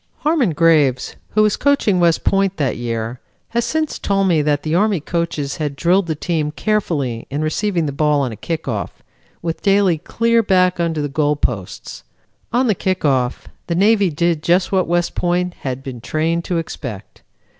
Harmon Graves, who was coaching West Point that year, has since told me that the Army coaches had drilled the team carefully in receiving the ball on a kick off with Daly clear back under the goal posts. On the kick off, the Navy did just what West Point had been trained to expect.